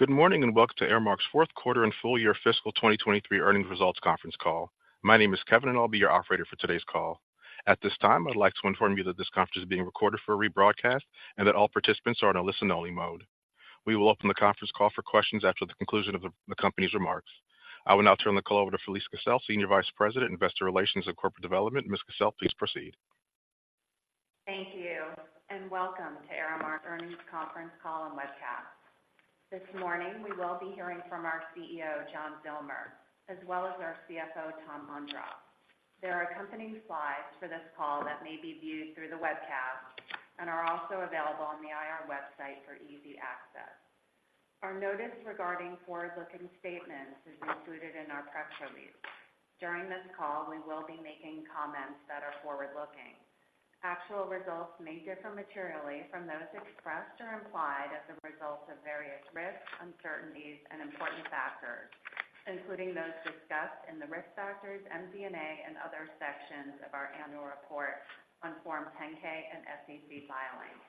Good morning, and welcome to Aramark's Q4 and full year fiscal 2023 earnings results conference call. My name is Kevin, and I'll be your operator for today's call. At this time, I'd like to inform you that this conference is being recorded for rebroadcast and that all participants are in a listen-only mode. We will open the conference call for questions after the conclusion of the company's remarks. I will now turn the call over to Felise Kissell, Senior Vice President, Investor Relations and Corporate Development. Ms. Kissell, please proceed. Thank you, and welcome to Aramark Earnings Conference Call and Webcast. This morning, we will be hearing from our CEO, John Zillmer, as well as our CFO, Tom Ondrof. There are accompanying slides for this call that may be viewed through the webcast and are also available on the IR website for easy access. Our notice regarding forward-looking statements is included in our press release. During this call, we will be making comments that are forward-looking. Actual results may differ materially from those expressed or implied as a result of various risks, uncertainties, and important factors, including those discussed in the Risk Factors, MD&A, and other sections of our annual report on Form 10-K and SEC filings.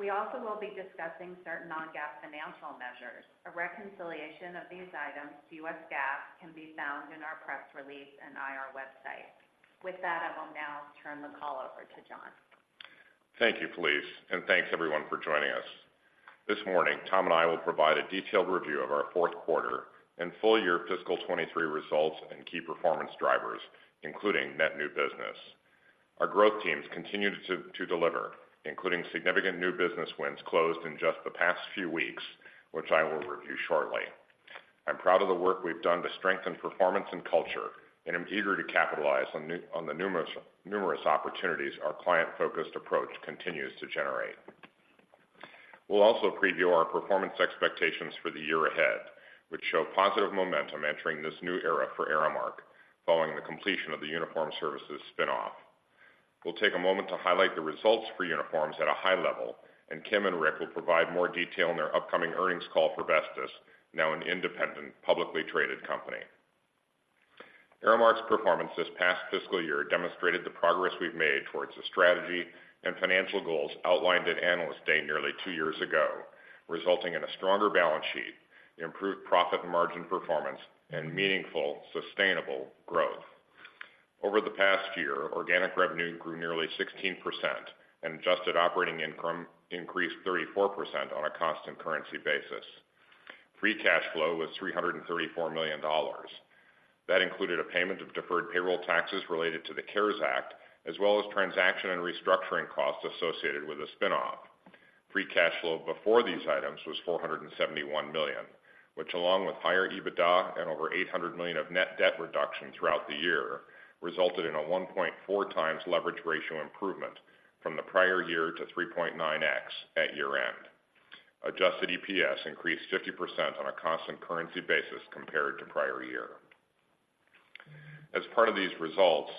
We also will be discussing certain non-GAAP financial measures. A reconciliation of these items to U.S. GAAP can be found in our press release and IR website. With that, I will now turn the call over to John. Thank you, Felise, and thanks everyone for joining us. This morning, Tom and I will provide a detailed review of our Q4 and full year fiscal 2023 results and key performance drivers, including net new business. Our growth teams continued to deliver, including significant new business wins closed in just the past few weeks, which I will review shortly. I'm proud of the work we've done to strengthen performance and culture, and I'm eager to capitalize on the numerous opportunities our client-focused approach continues to generate. We'll also preview our performance expectations for the year ahead, which show positive momentum entering this new era for Aramark, following the completion of the Uniform Services spin-off. We'll take a moment to highlight the results for uniforms at a high level, and Kim and Rick will provide more detail in their upcoming earnings call for Vestis, now an independent, publicly traded company. Aramark's performance this past fiscal year demonstrated the progress we've made towards the strategy and financial goals outlined at Analyst Day nearly two years ago, resulting in a stronger balance sheet, improved profit and margin performance, and meaningful, sustainable growth. Over the past year, organic revenue grew nearly 16%, and adjusted operating income increased 34% on a constant currency basis. Free cash flow was $334 million. That included a payment of deferred payroll taxes related to the CARES Act, as well as transaction and restructuring costs associated with the spin-off. Free cash flow before these items was $471 million, which, along with higher EBITDA and over $800 million of net debt reduction throughout the year, resulted in a 1.4x leverage ratio improvement from the prior year to 3.9x at year-end. Adjusted EPS increased 50% on a constant currency basis compared to prior year. As part of these results,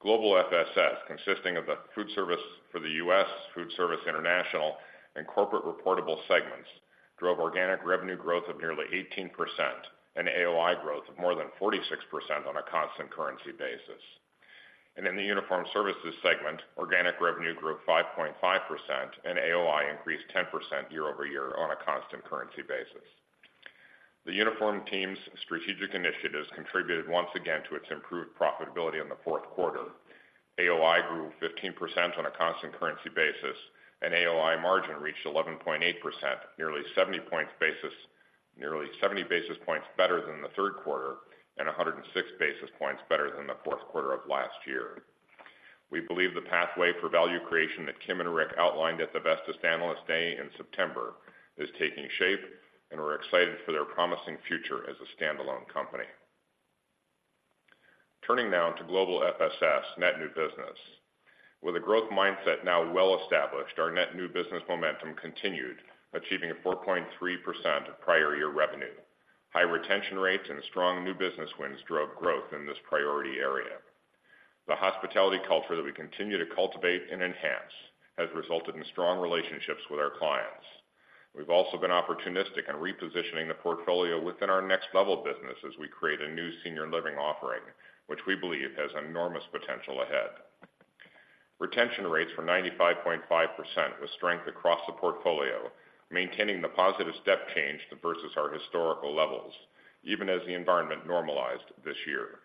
Global FSS, consisting of the food service for the U.S., Food Service International, and corporate reportable segments, drove organic revenue growth of nearly 18% and AOI growth of more than 46% on a constant currency basis. In the uniform services segment, organic revenue grew 5.5%, and AOI increased 10% year-over-year on a constant currency basis. The uniform team's strategic initiatives contributed once again to its improved profitability in the Q4. AOI grew 15% on a constant currency basis, and AOI margin reached 11.8%, nearly 70 basis points better than the Q3 and 106 basis points better than the Q4 of last year. We believe the pathway for value creation that Kim and Rick outlined at the Vestis Analyst Day in September is taking shape, and we're excited for their promising future as a standalone company. Turning now to Global FSS net new business. With a growth mindset now well established, our net new business momentum continued, achieving 4.3% of prior year revenue. High retention rates and strong new business wins drove growth in this priority area. The hospitality culture that we continue to cultivate and enhance has resulted in strong relationships with our clients. We've also been opportunistic in repositioning the portfolio within our next level of business as we create a new senior living offering, which we believe has enormous potential ahead. Retention rates were 95.5%, with strength across the portfolio, maintaining the positive step change versus our historical levels, even as the environment normalized this year.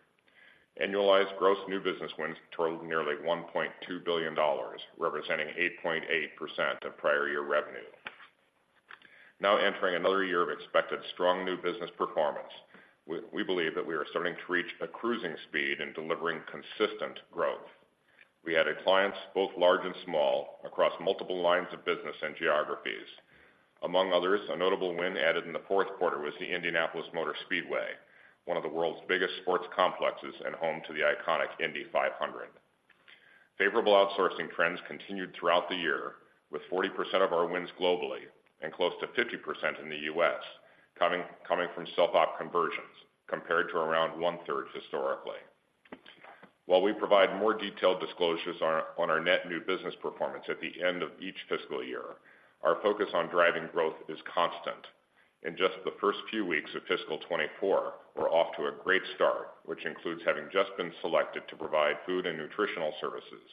Annualized gross new business wins totaled nearly $1.2 billion, representing 8.8% of prior year revenue. Now entering another year of expected strong new business performance, we believe that we are starting to reach a cruising speed in delivering consistent growth. We added clients, both large and small, across multiple lines of business and geographies. Among others, a notable win added in the Q4 was the Indianapolis Motor Speedway, one of the world's biggest sports complexes and home to the iconic Indy 500. Favorable outsourcing trends continued throughout the year, with 40% of our wins globally and close to 50% in the U.S., coming from self-op conversions, compared to around 1/3 historically. While we provide more detailed disclosures on our net new business performance at the end of each fiscal year, our focus on driving growth is constant. In just the first few weeks of fiscal 2024, we're off to a great start, which includes having just been selected to provide food and nutritional services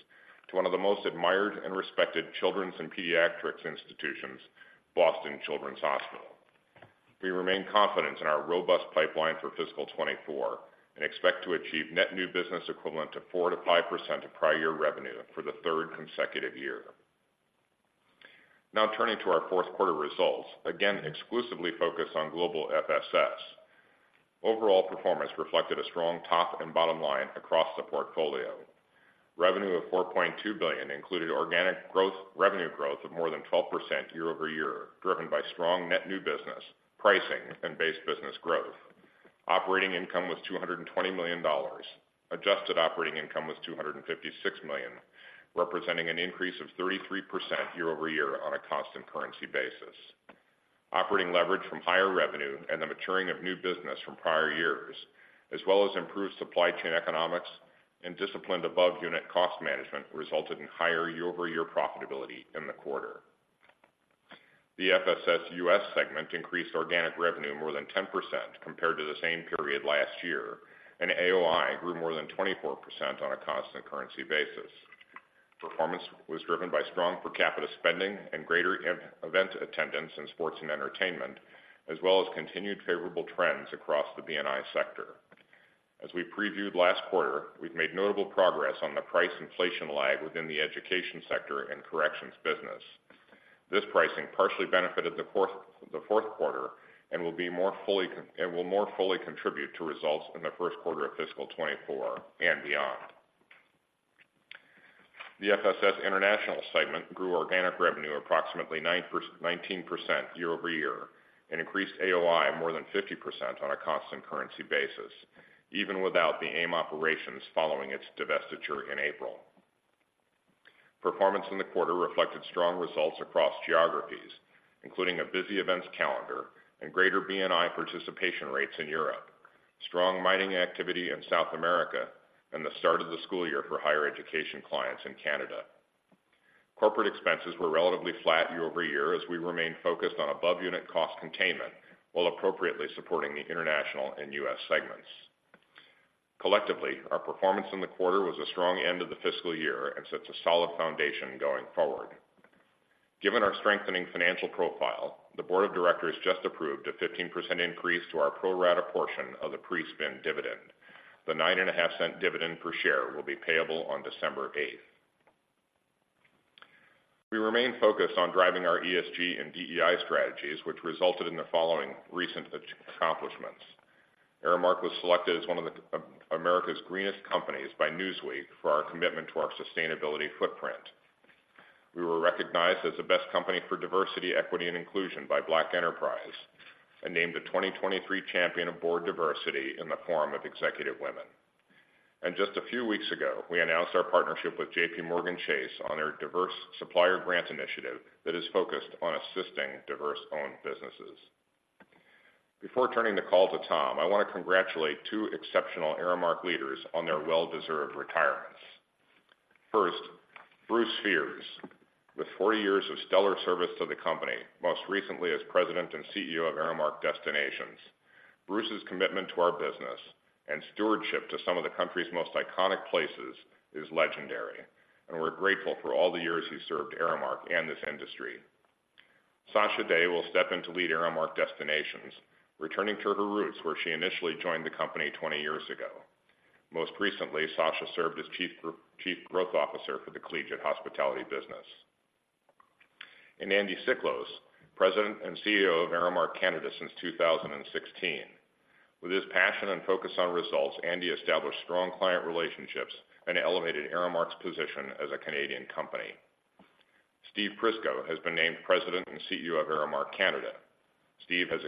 to one of the most admired and respected children's and pediatrics institutions, Boston Children's Hospital. We remain confident in our robust pipeline for fiscal 2024, and expect to achieve net new business equivalent to 4%-5% of prior year revenue for the third consecutive year. Now, turning to our Q4 results, again, exclusively focused on global FSS. Overall performance reflected a strong top and bottom line across the portfolio. Revenue of $4.2 billion included organic growth, revenue growth of more than 12% year-over-year, driven by strong net new business, pricing, and base business growth. Operating income was $220 million. Adjusted operating income was $256 million, representing an increase of 33% year-over-year on a constant currency basis. Operating leverage from higher revenue and the maturing of new business from prior years, as well as improved supply chain economics and disciplined above-unit cost management, resulted in higher year-over-year profitability in the quarter. The FSS U.S. segment increased organic revenue more than 10% compared to the same period last year, and AOI grew more than 24% on a constant currency basis. Performance was driven by strong per capita spending and greater event attendance in sports and entertainment, as well as continued favorable trends across the B&I sector. As we previewed last quarter, we've made notable progress on the price inflation lag within the education sector and corrections business. This pricing partially benefited the Q4 and will more fully contribute to results in the Q1 of fiscal 2024 and beyond. The FSS International segment grew organic revenue approximately 19% year-over-year, and increased AOI more than 50% on a constant currency basis, even without the AIM operations following its divestiture in April. Performance in the quarter reflected strong results across geographies, including a busy events calendar and greater B&I participation rates in Europe, strong mining activity in South America, and the start of the school year for higher education clients in Canada. Corporate expenses were relatively flat year-over-year as we remained focused on above-unit cost containment, while appropriately supporting the international and U.S. segments. Collectively, our performance in the quarter was a strong end of the fiscal year and sets a solid foundation going forward. Given our strengthening financial profile, the board of directors just approved a 15% increase to our pro rata portion of the pre-spin dividend. The $0.095 dividend per share will be payable on December 8th. We remain focused on driving our ESG and DEI strategies, which resulted in the following recent accomplishments: Aramark was selected as one of America's greenest companies by Newsweek for our commitment to our sustainability footprint. We were recognized as the best company for diversity, equity, and inclusion by Black Enterprise, and named the 2023 Champion of Board Diversity in the Forum of Executive Women. Just a few weeks ago, we announced our partnership with JPMorgan Chase on their diverse supplier grant initiative that is focused on assisting diverse-owned businesses. Before turning the call to Tom, I want to congratulate two exceptional Aramark leaders on their well-deserved retirements. First, Bruce Fears, with 40 years of stellar service to the company, most recently as President and CEO of Aramark Destinations. Bruce's commitment to our business and stewardship to some of the country's most iconic places is legendary, and we're grateful for all the years he served Aramark and this industry. Sasha Day will step in to lead Aramark Destinations, returning to her roots, where she initially joined the company 20 years ago. Most recently, Sasha served as Chief Growth Officer for the Collegiate Hospitality business. Andy Siklos, President and CEO of Aramark Canada since 2016. With his passion and focus on results, Andy established strong client relationships and elevated Aramark's position as a Canadian company. Steve Prisco has been named President and CEO of Aramark Canada. Steve has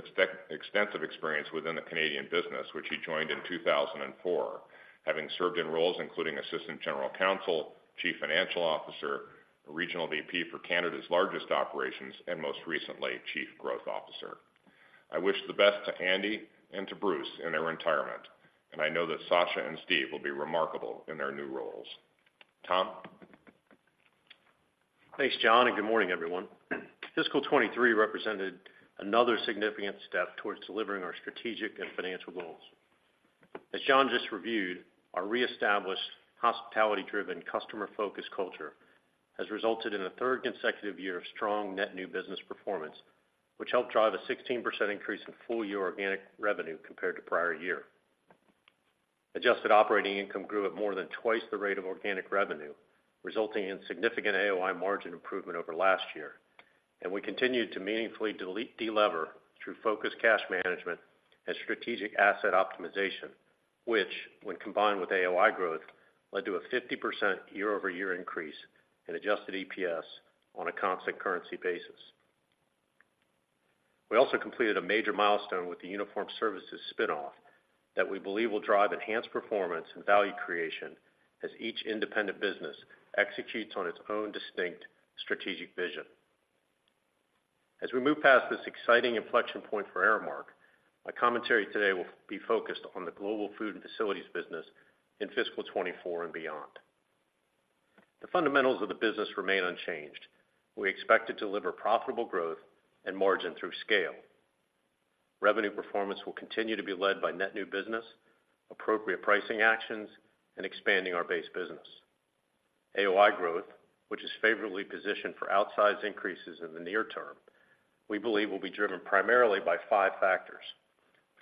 extensive experience within the Canadian business, which he joined in 2004, having served in roles including Assistant General Counsel, Chief Financial Officer, Regional VP for Canada's largest operations, and most recently, Chief Growth Officer. I wish the best to Andy and to Bruce in their retirement, and I know that Sasha and Steve will be remarkable in their new roles. Tom? Thanks, John, and good morning, everyone. Fiscal 2023 represented another significant step towards delivering our strategic and financial goals. As John just reviewed, our reestablished hospitality-driven, customer-focused culture has resulted in a third consecutive year of strong net new business performance, which helped drive a 16% increase in full-year organic revenue compared to prior year. Adjusted operating income grew at more than twice the rate of organic revenue, resulting in significant AOI margin improvement over last year. We continued to meaningfully delever through focused cash management and strategic asset optimization, which, when combined with AOI growth, led to a 50% year-over-year increase in adjusted EPS on a constant currency basis. We also completed a major milestone with the uniform services spin-off that we believe will drive enhanced performance and value creation as each independent business executes on its own distinct strategic vision. As we move past this exciting inflection point for Aramark, my commentary today will be focused on the global food and facilities business in fiscal 2024 and beyond. The fundamentals of the business remain unchanged. We expect to deliver profitable growth and margin through scale. Revenue performance will continue to be led by net new business, appropriate pricing actions, and expanding our base business. AOI growth, which is favorably positioned for outsized increases in the near term, we believe will be driven primarily by five factors.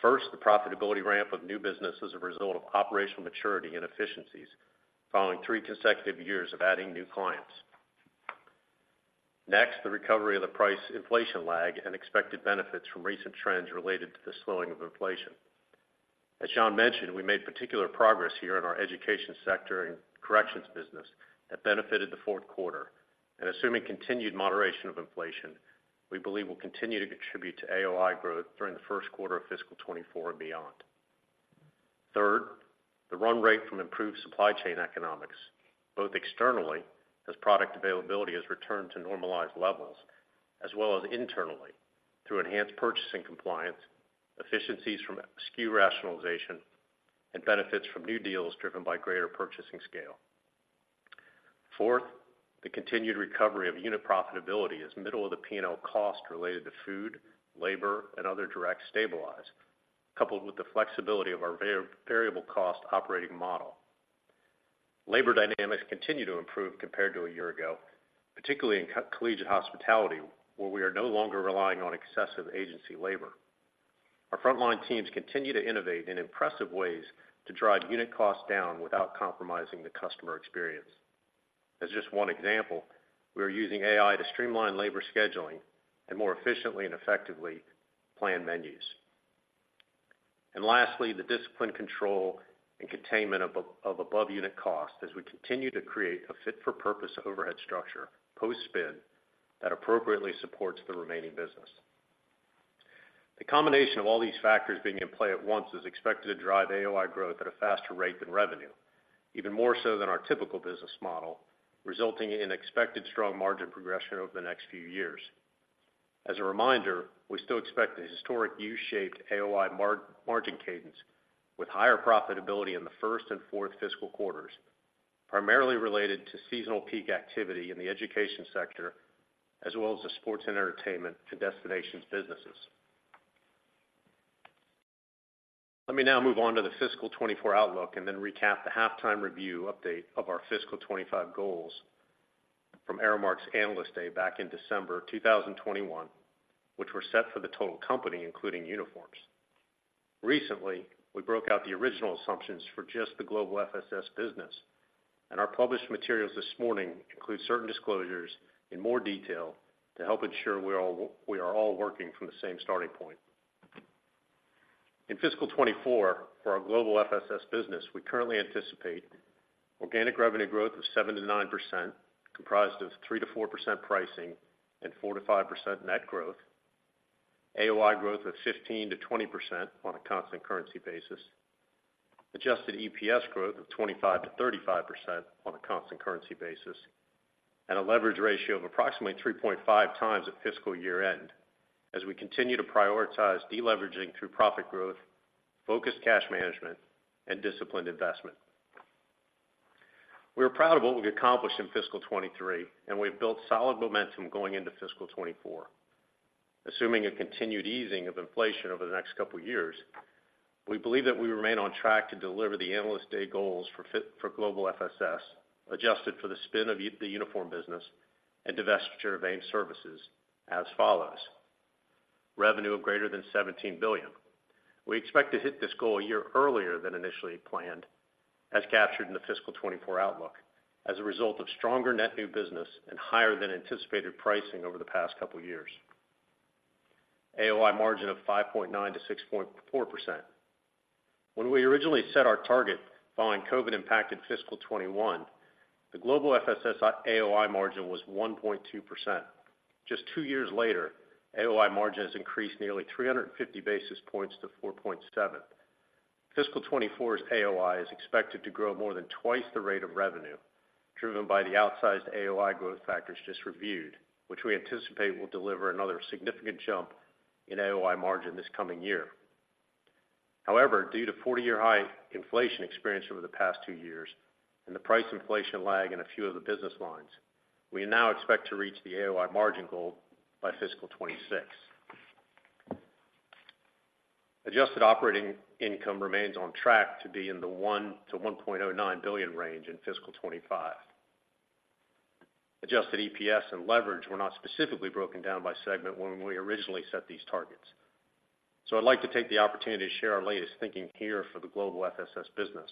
First, the profitability ramp of new business as a result of operational maturity and efficiencies, following three consecutive years of adding new clients. Next, the recovery of the price inflation lag and expected benefits from recent trends related to the slowing of inflation. As John mentioned, we made particular progress here in our education sector and corrections business that benefited the Q4, and assuming continued moderation of inflation, we believe will continue to contribute to AOI growth during the Q1 of fiscal 2024 and beyond. Third, the run rate from improved supply chain economics, both externally, as product availability has returned to normalized levels, as well as internally, through enhanced purchasing compliance, efficiencies from SKU rationalization, and benefits from new deals driven by greater purchasing scale. Fourth, the continued recovery of unit profitability as middle of the P&L cost related to food, labor, and other direct stabilize, coupled with the flexibility of our variable cost operating model. Labor dynamics continue to improve compared to a year ago, particularly in collegiate hospitality, where we are no longer relying on excessive agency labor. Our frontline teams continue to innovate in impressive ways to drive unit costs down without compromising the customer experience. As just one example, we are using AI to streamline labor scheduling and more efficiently and effectively plan menus. And lastly, the disciplined control and containment of above-unit cost as we continue to create a fit-for-purpose overhead structure, post-spin, that appropriately supports the remaining business. The combination of all these factors being in play at once is expected to drive AOI growth at a faster rate than revenue, even more so than our typical business model, resulting in expected strong margin progression over the next few years. As a reminder, we still expect a historic U-shaped AOI margin cadence, with higher profitability in the first and fourth fiscal quarters, primarily related to seasonal peak activity in the education sector, as well as the sports and entertainment to destinations businesses. Let me now move on to the fiscal 2024 outlook and then recap the halftime review update of our fiscal 2025 goals from Aramark's Analyst Day back in December 2021, which were set for the total company, including uniforms. Recently, we broke out the original assumptions for just the Global FSS business, and our published materials this morning include certain disclosures in more detail to help ensure we are all working from the same starting point. In fiscal 2024, for our Global FSS business, we currently anticipate organic revenue growth of 7%-9%, comprised of 3%-4% pricing and 4%-5% net growth, AOI growth of 15%-20% on a constant currency basis, adjusted EPS growth of 25%-35% on a constant currency basis, and a leverage ratio of approximately 3.5x at fiscal year-end, as we continue to prioritize deleveraging through profit growth, focused cash management, and disciplined investment. We're proud of what we've accomplished in fiscal 2023, and we've built solid momentum going into fiscal 2024. Assuming a continued easing of inflation over the next couple of years, we believe that we remain on track to deliver the Analyst Day goals for Global FSS, adjusted for the spin of the uniform business and divestiture of AIM Services as follows: Revenue of greater than $17 billion. We expect to hit this goal a year earlier than initially planned, as captured in the fiscal 2024 outlook, as a result of stronger net new business and higher than anticipated pricing over the past couple of years. AOI margin of 5.9%-6.4%. When we originally set our target following COVID-impacted fiscal 2021, the Global FSS AOI margin was 1.2%. Just two years later, AOI margin has increased nearly 350 basis points to 4.7%. Fiscal 2024's AOI is expected to grow more than twice the rate of revenue, driven by the outsized AOI growth factors just reviewed, which we anticipate will deliver another significant jump in AOI margin this coming year. However, due to 40-year high inflation experienced over the past two years and the price inflation lag in a few of the business lines, we now expect to reach the AOI margin goal by fiscal 2026. Adjusted operating income remains on track to be in the $1 billion-$1.09 billion range in fiscal 2025. Adjusted EPS and leverage were not specifically broken down by segment when we originally set these targets. So I'd like to take the opportunity to share our latest thinking here for the Global FSS business.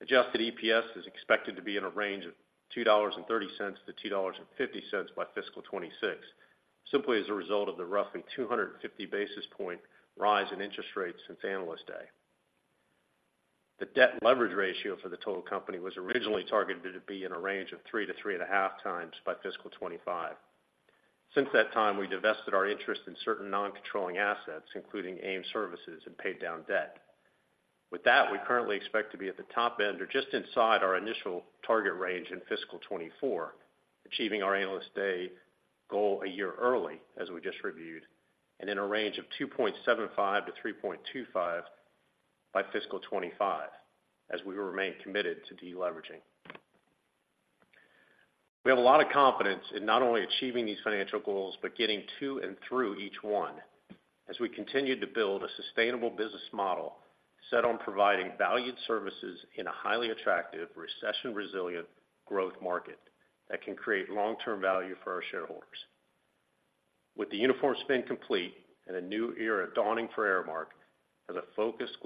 Adjusted EPS is expected to be in a range of $2.30-$2.50 by fiscal 2026, simply as a result of the roughly 250 basis points rise in interest rates since Analyst Day. The debt leverage ratio for the total company was originally targeted to be in a range of 3x-3.5x by fiscal 2025. Since that time, we divested our interest in certain non-controlling assets, including AIM Services, and paid down debt. With that, we currently expect to be at the top end or just inside our initial target range in fiscal 2024, achieving our Analyst Day goal a year early, as we just reviewed, and in a range of 2.75x-3.25x by fiscal 2025, as we will remain committed to deleveraging. We have a lot of confidence in not only achieving these financial goals, but getting to and through each one as we continue to build a sustainable business model set on providing valued services in a highly attractive, recession-resilient growth market that can create long-term value for our shareholders. With the uniform spin complete and a new era dawning for Aramark as a focused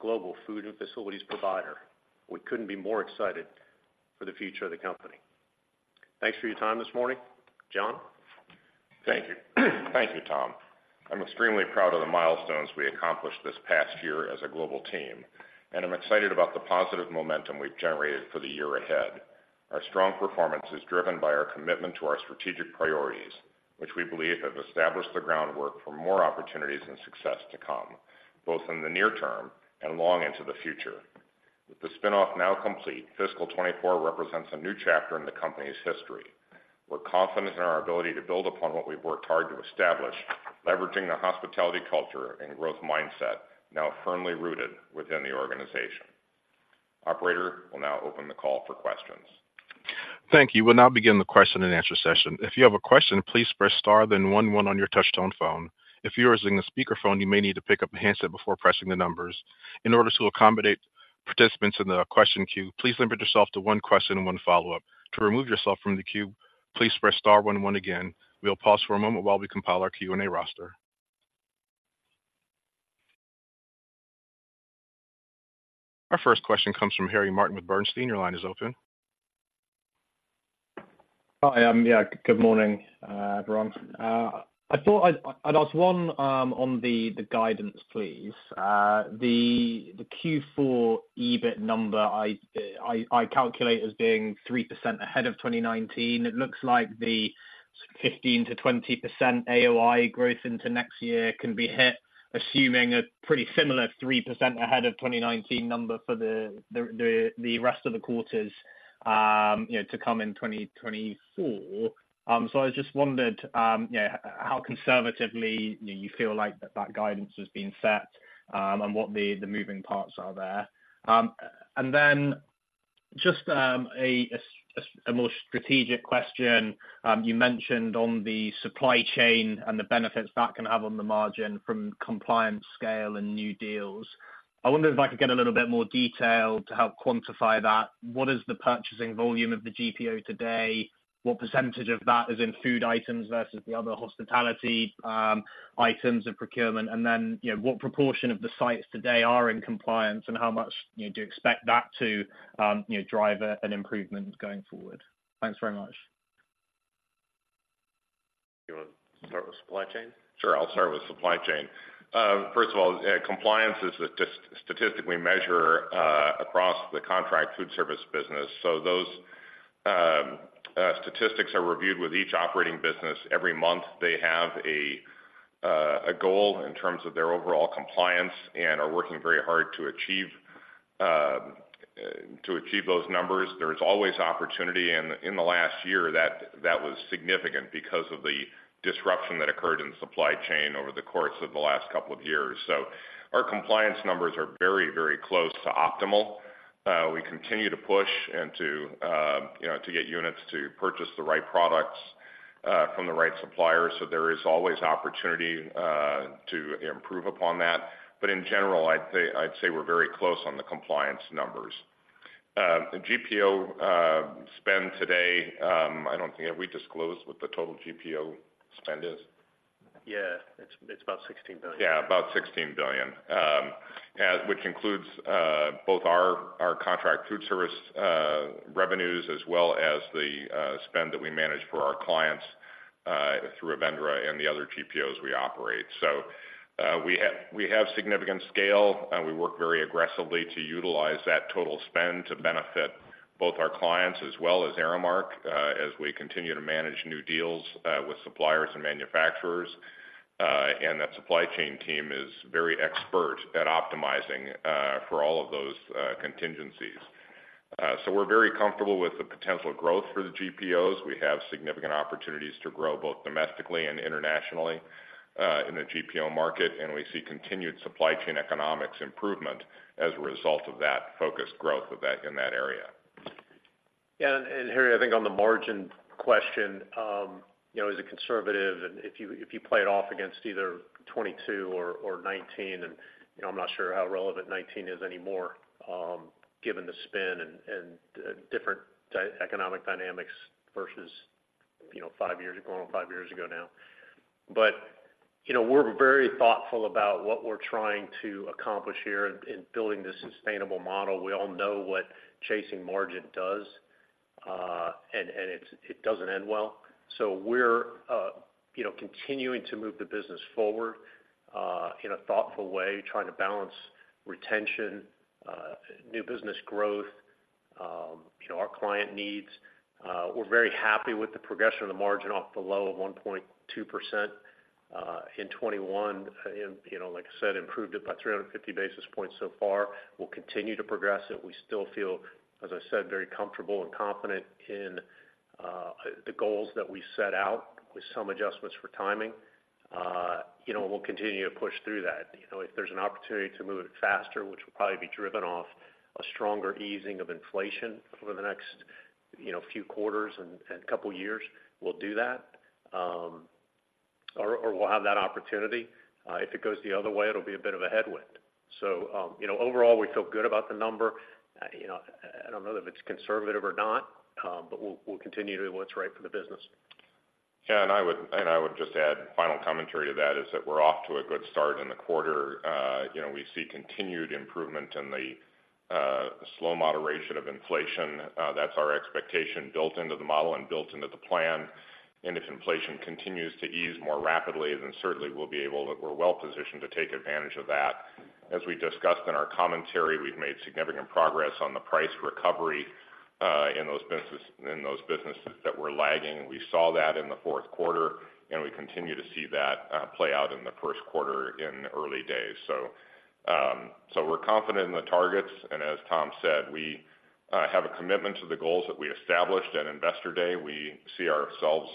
global food and facilities provider, we couldn't be more excited for the future of the company. Thanks for your time this morning. John? Thank you. Thank you, Tom. I'm extremely proud of the milestones we accomplished this past year as a global team, and I'm excited about the positive momentum we've generated for the year ahead. Our strong performance is driven by our commitment to our strategic priorities, which we believe have established the groundwork for more opportunities and success to come, both in the near term and long into the future. With the spin-off now complete, fiscal 2024 represents a new chapter in the company's history. We're confident in our ability to build upon what we've worked hard to establish, leveraging the hospitality culture and growth mindset now firmly rooted within the organization. Operator, we'll now open the call for questions. Thank you. We'll now begin the Q&A session. If you have a question, please press star, then one one on your touchtone phone. If you are using a speakerphone, you may need to pick up the handset before pressing the numbers. In order to accommodate participants in the question queue, please limit yourself to one question and one follow-up. To remove yourself from the queue, please press star one one again. We'll pause for a moment while we compile our Q&A roster. Our first question comes from Harry Martin with Bernstein. Your line is open. Hi, yeah, good morning, everyone. I thought I'd ask one on the guidance, please. The Q4 EBIT number, I calculate as being 3% ahead of 2019. It looks like the 15%-20% AOI growth into next year can be hit, assuming a pretty similar 3% ahead of 2019 number for the rest of the quarters, you know, to come in 2024. So I just wondered, yeah, how conservatively, you know, you feel like that guidance has been set, and what the moving parts are there. And then just a more strategic question. You mentioned on the supply chain and the benefits that can have on the margin from compliance, scale, and new deals. I wonder if I could get a little bit more detail to help quantify that. What is the purchasing volume of the GPO today? What percentage of that is in food items versus the other hospitality, items of procurement? And then, you know, what proportion of the sites today are in compliance, and how much, you know, do you expect that to, you know, drive an improvement going forward? Thanks very much. You want to start with supply chain? Sure, I'll start with supply chain. First of all, compliance is a statistically measure across the contract food service business. So those statistics are reviewed with each operating business. Every month, they have a goal in terms of their overall compliance and are working very hard to achieve to achieve those numbers. There's always opportunity, and in the last year, that was significant because of the disruption that occurred in the supply chain over the course of the last couple of years. So our compliance numbers are very, very close to optimal. We continue to push and to, you know, to get units to purchase the right products from the right suppliers, so there is always opportunity to improve upon that. But in general, I'd say, I'd say we're very close on the compliance numbers. The GPO spend today, I don't think... Have we disclosed what the total GPO spend is? Yeah. It's about $16 billion. Yeah, about $16 billion, which includes both our, our contract food service revenues, as well as the spend that we manage for our clients through Avendra and the other GPOs we operate. So, we have significant scale, and we work very aggressively to utilize that total spend to benefit both our clients as well as Aramark, as we continue to manage new deals with suppliers and manufacturers, and that supply chain team is very expert at optimizing for all of those contingencies. So, we're very comfortable with the potential growth for the GPOs. We have significant opportunities to grow both domestically and internationally in the GPO market, and we see continued supply chain economics improvement as a result of that focused growth of that, in that area. Yeah, and Harry, I think on the margin question, you know, as a conservative, and if you, if you play it off against either 2022 or 2019, and, you know, I'm not sure how relevant 2019 is anymore, given the spin and, different economic dynamics versus, you know, five years ago, going on five years ago now. But, you know, we're very thoughtful about what we're trying to accomplish here in building this sustainable model. We all know what chasing margin does, and it doesn't end well. So we're, you know, continuing to move the business forward, in a thoughtful way, trying to balance retention, new business growth, you know, our client needs. We're very happy with the progression of the margin off the low of 1.2% in 2021, and, you know, like I said, improved it by 350 basis points so far. We'll continue to progress it. We still feel, as I said, very comfortable and confident in the goals that we set out, with some adjustments for timing. You know, we'll continue to push through that. You know, if there's an opportunity to move it faster, which will probably be driven off a stronger easing of inflation over the next, you know, few quarters and couple years, we'll do that. Or, we'll have that opportunity. If it goes the other way, it'll be a bit of a headwind. So, you know, overall, we feel good about the number. You know, I don't know if it's conservative or not, but we'll continue to do what's right for the business. Yeah, and I would just add final commentary to that, is that we're off to a good start in the quarter. You know, we see continued improvement in the slow moderation of inflation. That's our expectation built into the model and built into the plan. And if inflation continues to ease more rapidly, then certainly we're well positioned to take advantage of that. As we discussed in our commentary, we've made significant progress on the price recovery in those businesses that we're lagging. We saw that in the Q4, and we continue to see that play out in the Q1, in the early days. So, so we're confident in the targets, and as Tom said, we have a commitment to the goals that we established at Investor Day. We see ourselves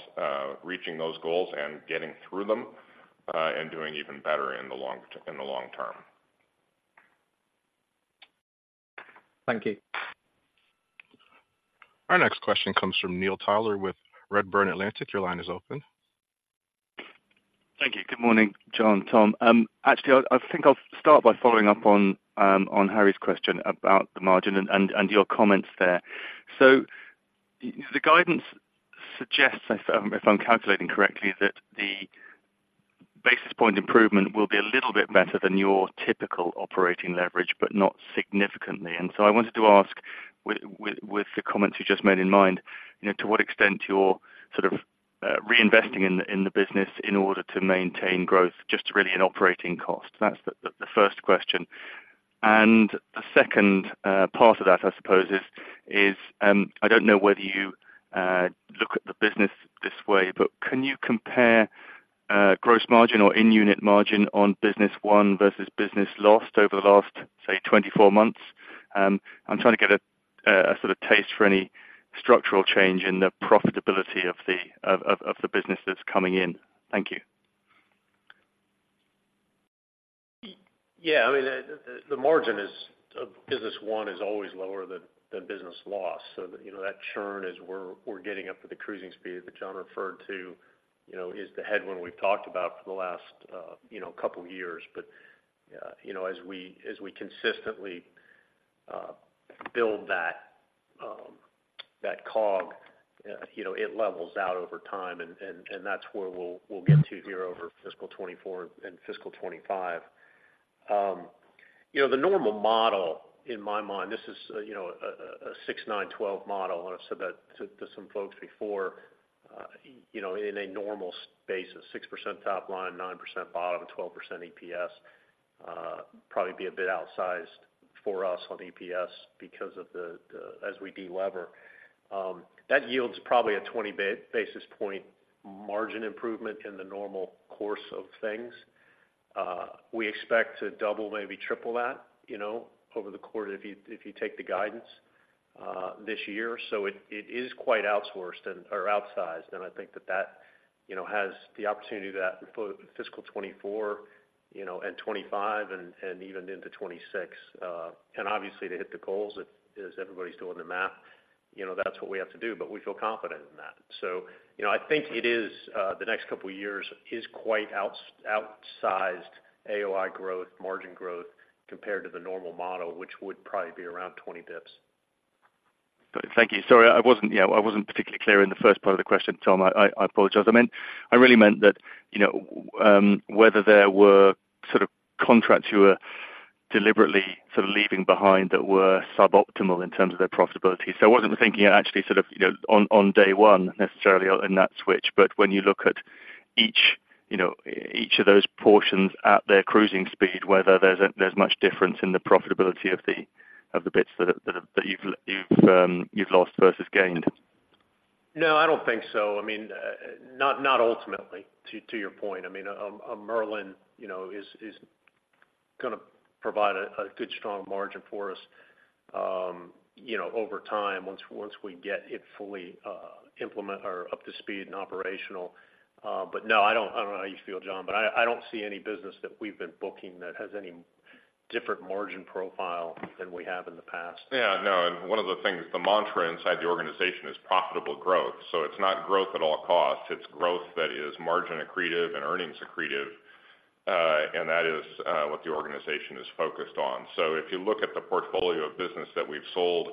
reaching those goals and getting through them and doing even better in the long term. Thank you. Our next question comes from Neil Tyler with Redburn Atlantic. Your line is open. Thank you. Good morning, John, Tom. Actually, I think I'll start by following up on Harry's question about the margin and your comments there. So the guidance suggests, if I'm calculating correctly, that the basis point improvement will be a little bit better than your typical operating leverage, but not significantly. And so I wanted to ask with the comments you just made in mind, you know, to what extent you're sort of reinvesting in the business in order to maintain growth, just really in operating costs? That's the first question. And the second part of that, I suppose, is I don't know whether you look at the business this way, but can you compare gross margin or in-unit margin on business won versus business lost over the last, say, 24 months? I'm trying to get a sort of taste for any structural change in the profitability of the businesses coming in. Thank you. Yeah. I mean, the margin is of business won is always lower than business lost. So, you know, that churn as we're getting up to the cruising speed that John referred to, you know, is the headwind we've talked about for the last, you know, couple years. But, you know, as we consistently build that COG, you know, it levels out over time, and that's where we'll get to here over fiscal 2024 and fiscal 2025. You know, the normal model, in my mind, this is a 6%, 9%, 12% model and I've said that to some folks before. You know, in a normal space, a 6% top line, 9% bottom, 12% EPS, probably be a bit outsized for us on EPS because of the, as we delever. That yields probably a 20 basis point margin improvement in the normal course of things. We expect to double, maybe triple that, you know, over the quarter, if you, if you take the guidance, this year. So it, it is quite outsourced and, or outsized, and I think that that, you know, has the opportunity to that for fiscal 2024, you know, and 2025 and, and even into 2026. And obviously to hit the goals, if, as everybody's doing the math, you know, that's what we have to do, but we feel confident in that. You know, I think it is the next couple of years is quite outsized AOI growth, margin growth, compared to the normal model, which would probably be around 20 basis points. Thank you. Sorry, I wasn't, you know, I wasn't particularly clear in the first part of the question, Tom. I apologize. I meant, I really meant that, you know, whether there were sort of contracts you were deliberately sort of leaving behind that were suboptimal in terms of their profitability. So I wasn't thinking actually sort of, you know, on day one necessarily in that switch, but when you look at each, you know, each of those portions at their cruising speed, whether there's much difference in the profitability of the bits that you've lost versus gained. No, I don't think so. I mean, not ultimately to your point. I mean, Merlin, you know, is gonna provide a good strong margin for us, you know, over time, once we get it fully implemented or up to speed and operational. But no, I don't know how you feel, John, but I don't see any business that we've been booking that has any different margin profile than we have in the past. Yeah, no. One of the things, the mantra inside the organization is profitable growth. So it's not growth at all costs, it's growth that is margin accretive and earnings accretive, and that is what the organization is focused on. So if you look at the portfolio of business that we've sold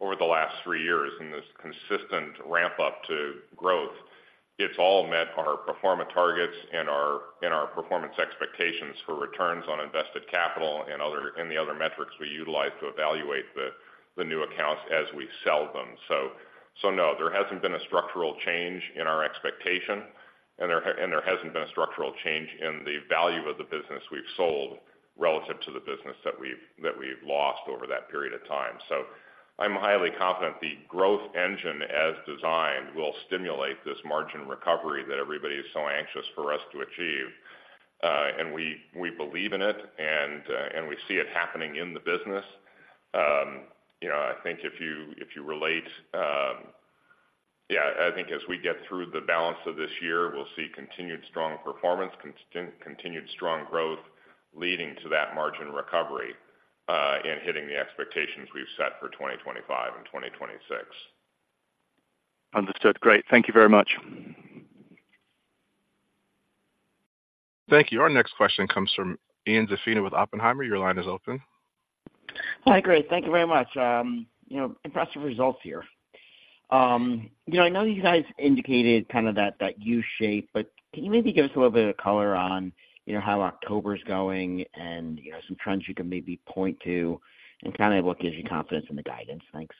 over the last three years in this consistent ramp-up to growth, it's all met our performance targets and our performance expectations for returns on invested capital and the other metrics we utilize to evaluate the new accounts as we sell them. So no, there hasn't been a structural change in our expectation, and there hasn't been a structural change in the value of the business we've sold relative to the business that we've lost over that period of time. So I'm highly confident the growth engine, as designed, will stimulate this margin recovery that everybody is so anxious for us to achieve. And we believe in it, and we see it happening in the business. You know, yeah, I think as we get through the balance of this year, we'll see continued strong performance, continued strong growth, leading to that margin recovery in hitting the expectations we've set for 2025 and 2026. Understood. Great. Thank you very much. Thank you. Our next question comes from Ian Zaffino with Oppenheimer. Your line is open. Hi, great. Thank you very much. You know, impressive results here. You know, I know you guys indicated kind of that U-shape, but can you maybe give us a little bit of color on, you know, how October's going and, you know, some trends you can maybe point to and kind of what gives you confidence in the guidance? Thanks.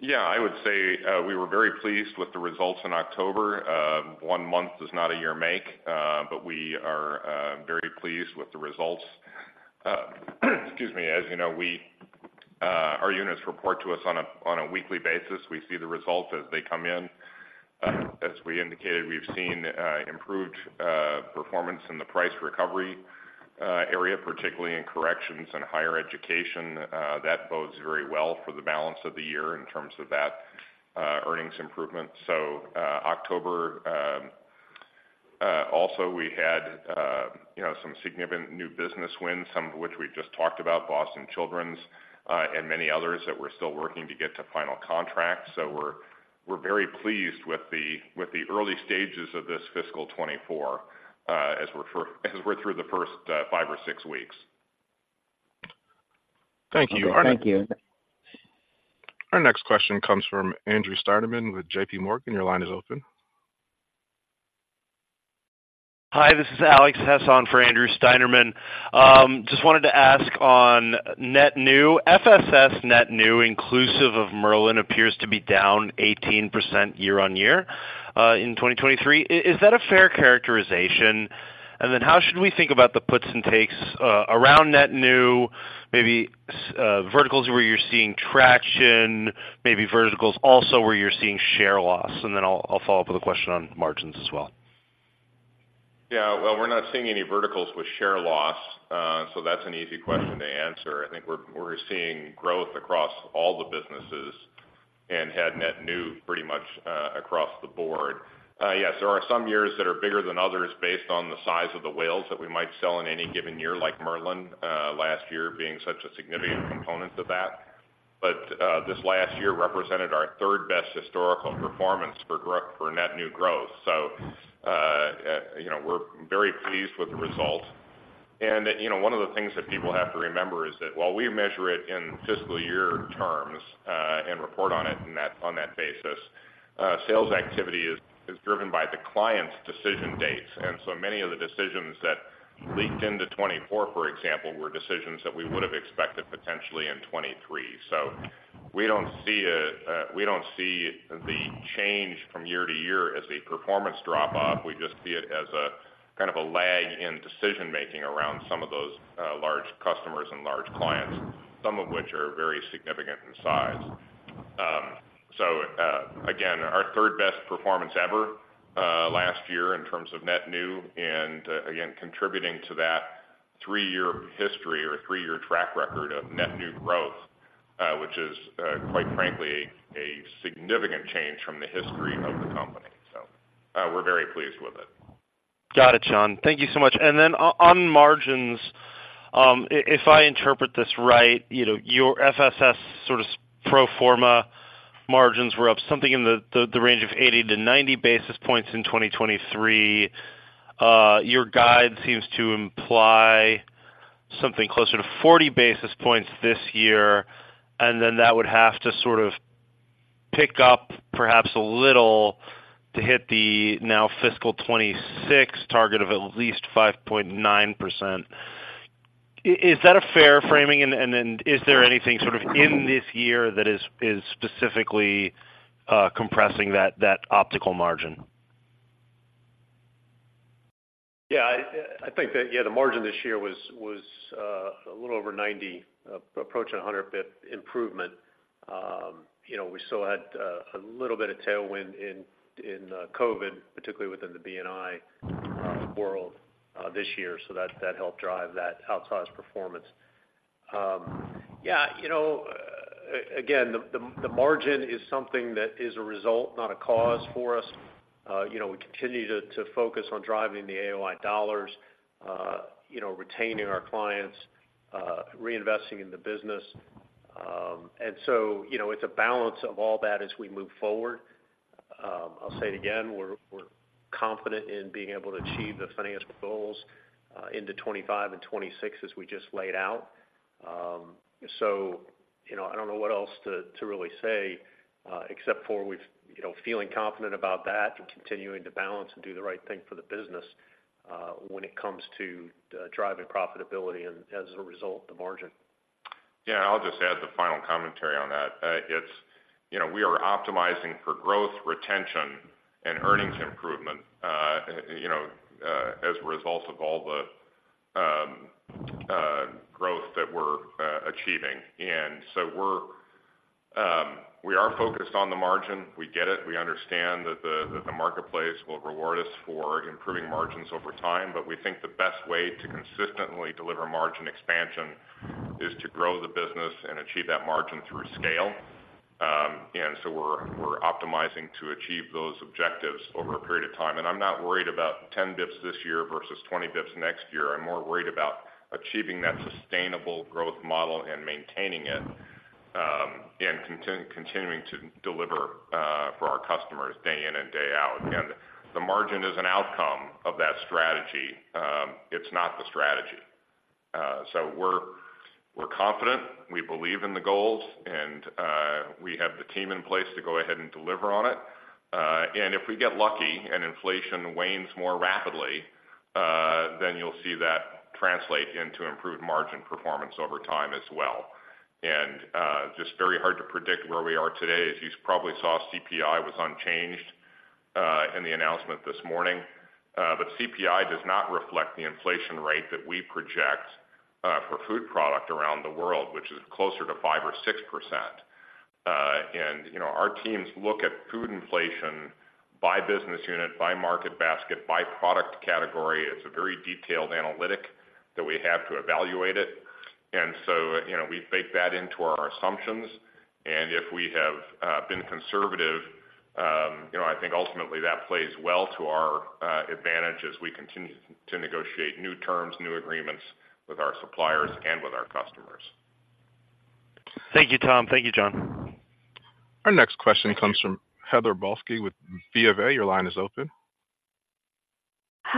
Yeah, I would say, we were very pleased with the results in October. One month does not a year make, but we are very pleased with the results. Excuse me. As you know, our units report to us on a weekly basis. We see the results as they come in. As we indicated, we've seen improved performance in the price recovery area, particularly in corrections and higher education. That bodes very well for the balance of the year in terms of that earnings improvement. So, October also, we had, you know, some significant new business wins, some of which we've just talked about, Boston Children's, and many others that we're still working to get to final contract. So we're very pleased with the early stages of this fiscal 2024, as we're through the first five or six weeks. Thank you. Thank you. Our next question comes from Andrew Steinerman with JPMorgan. Your line is open. Hi, this is Alex Hesson for Andrew Steinerman. Just wanted to ask on net new. FSS net new, inclusive of Merlin, appears to be down 18% year-on-year in 2023. Is that a fair characterization? And then how should we think about the puts and takes around net new, maybe verticals where you're seeing traction, maybe verticals also where you're seeing share loss? And then I'll follow up with a question on margins as well. Yeah. Well, we're not seeing any verticals with share loss, so that's an easy question to answer. I think we're seeing growth across all the businesses and had net new pretty much across the board. Yes, there are some years that are bigger than others based on the size of the whales that we might sell in any given year, like Merlin, last year being such a significant component of that. But this last year represented our third-best historical performance for net new growth. So you know, we're very pleased with the result. And you know, one of the things that people have to remember is that while we measure it in fiscal year terms and report on it on that basis, sales activity is driven by the client's decision dates. And so many of the decisions that leaked into 2024, for example, were decisions that we would have expected potentially in 2023. So we don't see the change from year to year as a performance drop off. We just see it as a kind of a lag in decision making around some of those large customers and large clients, some of which are very significant in size. Again, our third best performance ever last year in terms of net new and, again, contributing to that three-year history or three-year track record of net new growth, which is quite frankly a significant change from the history of the company. So we're very pleased with it. Got it, John. Thank you so much. And then on margins, if I interpret this right, you know, your FSS sort of pro forma margins were up something in the range of 80-90 basis points in 2023. Your guide seems to imply something closer to 40 basis points this year, and then that would have to sort of pick up perhaps a little to hit the now fiscal 2026 target of at least 5.9%. Is that a fair framing? And then is there anything sort of in this year that is specifically compressing that optical margin? Yeah, I think that, yeah, the margin this year was a little over 90, approaching 100 basis point improvement. You know, we still had a little bit of tailwind in COVID, particularly within the B&I world, this year, so that helped drive that outsized performance. Yeah, you know, again, the margin is something that is a result, not a cause for us. You know, we continue to focus on driving the AOI dollars, you know, retaining our clients, reinvesting in the business. And so, you know, it's a balance of all that as we move forward. I'll say it again, we're confident in being able to achieve the financial goals into 2025 and 2026 as we just laid out. So, you know, I don't know what else to really say, except for we've, you know, feeling confident about that and continuing to balance and do the right thing for the business, when it comes to driving profitability and as a result, the margin. Yeah, I'll just add the final commentary on that. It's, you know, we are optimizing for growth, retention, and earnings improvement, you know, as a result of all the growth that we're achieving. And so we're we are focused on the margin. We get it. We understand that the marketplace will reward us for improving margins over time, but we think the best way to consistently deliver margin expansion is to grow the business and achieve that margin through scale. And so we're optimizing to achieve those objectives over a period of time. And I'm not worried about 10 basis points this year versus 20 basis points next year. I'm more worried about achieving that sustainable growth model and maintaining it, and continuing to deliver for our customers day in and day out. The margin is an outcome of that strategy, it's not the strategy. So we're confident. We believe in the goals, and we have the team in place to go ahead and deliver on it. And if we get lucky and inflation wanes more rapidly, then you'll see that translate into improved margin performance over time as well. Just very hard to predict where we are today. As you probably saw, CPI was unchanged in the announcement this morning. But CPI does not reflect the inflation rate that we project for food product around the world, which is closer to 5%-6%. You know, our teams look at food inflation by business unit, by market basket, by product category. It's a very detailed analytic that we have to evaluate it. And so, you know, we bake that into our assumptions. And if we have been conservative, you know, I think ultimately that plays well to our advantage as we continue to negotiate new terms, new agreements with our suppliers and with our customers. Thank you, Tom. Thank you, John. Our next question comes from Heather Balsky with BofA. Your line is open.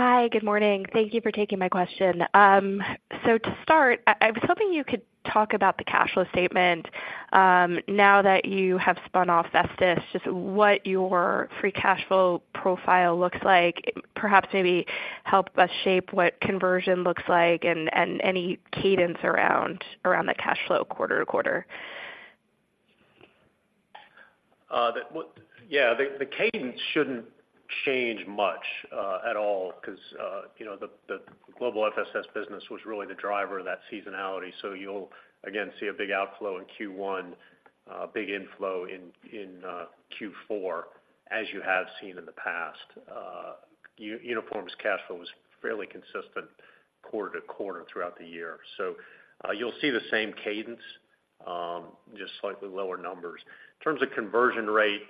Hi, good morning. Thank you for taking my question. So to start, I was hoping you could talk about the cash flow statement, now that you have spun off FSS, just what your free cash flow profile looks like. Perhaps maybe help us shape what conversion looks like and any cadence around the cash flow quarter-to-quarter. The cadence shouldn't change much at all, because you know, the Global FSS business was really the driver of that seasonality. So you'll again see a big outflow in Q1, big inflow in Q4, as you have seen in the past. Uniform's cash flow was fairly consistent quarter-to-quarter throughout the year. So, you'll see the same cadence, just slightly lower numbers. In terms of conversion rate,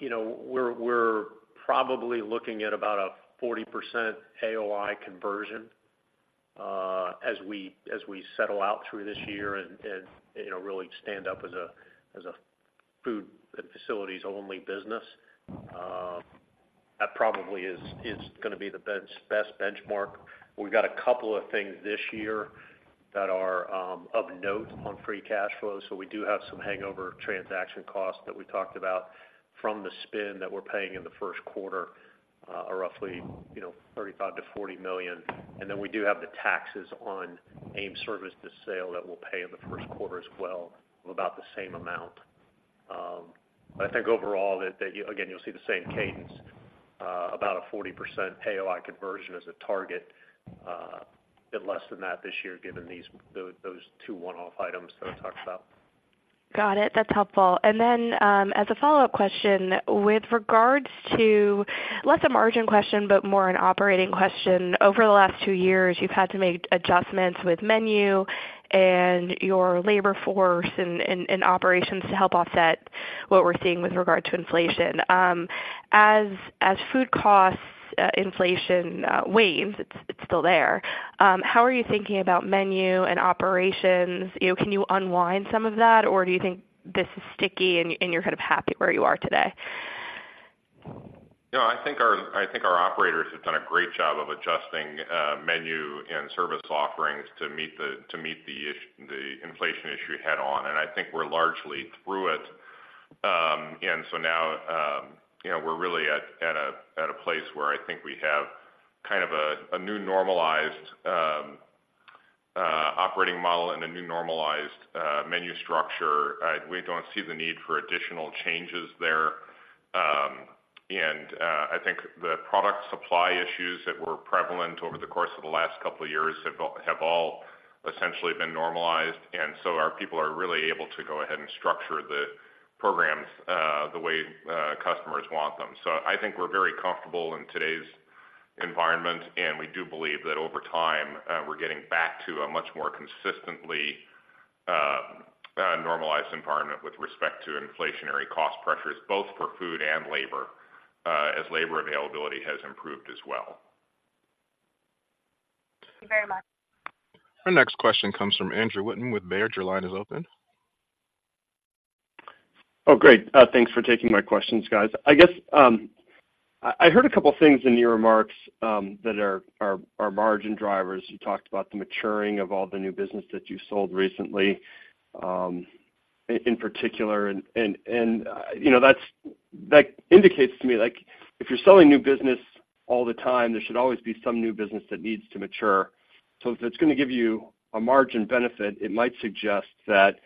you know, we're probably looking at about a 40% AOI conversion, as we settle out through this year and, you know, really stand up as a food and facilities-only business. That probably is gonna be the best benchmark. We've got a couple of things this year that are of note on free cash flow. So we do have some hangover transaction costs that we talked about from the spin that we're paying in the Q1, are roughly, you know, $35 million-$40 million. And then we do have the taxes on AIM Services sale that we'll pay in the Q1 as well, of about the same amount. But I think overall, that, again, you'll see the same cadence, about a 40% AOI conversion as a target, a bit less than that this year, given these, those two one-off items that I talked about. Got it. That's helpful. And then, as a follow-up question, with regards to less a margin question, but more an operating question. Over the last two years, you've had to make adjustments with menu and your labor force and operations to help offset what we're seeing with regard to inflation. As food costs inflation wanes, it's still there. How are you thinking about menu and operations? You know, can you unwind some of that, or do you think this is sticky and you're kind of happy where you are today? You know, I think our operators have done a great job of adjusting menu and service offerings to meet the inflation issue head on, and I think we're largely through it. And so now, you know, we're really at a place where I think we have kind of a new normalized operating model and a new normalized menu structure. We don't see the need for additional changes there. And I think the product supply issues that were prevalent over the course of the last couple of years have all essentially been normalized, and so our people are really able to go ahead and structure the programs the way customers want them. So I think we're very comfortable in today's environment, and we do believe that over time we're getting back to a much more consistently normalized environment with respect to inflationary cost pressures, both for food and labor, as labor availability has improved as well. Thank you very much. Our next question comes from Andrew Wittmann with Baird. Your line is open. Oh, great. Thanks for taking my questions, guys. I guess, I heard a couple things in your remarks that are margin drivers. You talked about the maturing of all the new business that you sold recently, in particular, and, you know, that indicates to me, like, if you're selling new business all the time, there should always be some new business that needs to mature. So if it's gonna give you a margin benefit, it might suggest that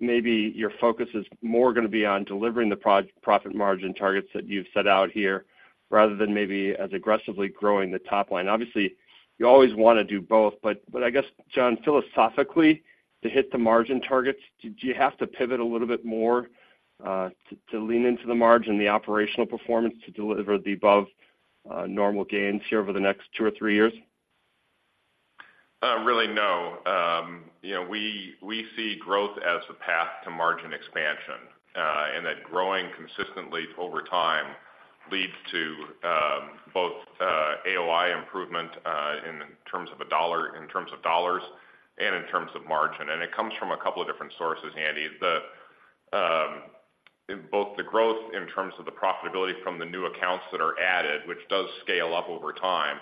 maybe your focus is more gonna be on delivering the profit margin targets that you've set out here, rather than maybe as aggressively growing the top line. Obviously, you always wanna do both, but I guess, John, philosophically, to hit the margin targets, do you have to pivot a little bit more to lean into the margin, the operational performance, to deliver the above normal gains here over the next two or three years? Really, no. You know, we see growth as the path to margin expansion, and that growing consistently over time leads to both AOI improvement in terms of dollars and in terms of margin. And it comes from a couple of different sources, Andy. In both the growth in terms of the profitability from the new accounts that are added, which does scale up over time,